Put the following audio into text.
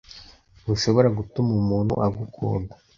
Ntushobora gutuma umuntu agukunda.